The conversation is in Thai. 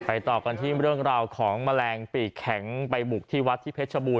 ต่อกันที่เรื่องราวของแมลงปีกแข็งไปบุกที่วัดที่เพชรบูร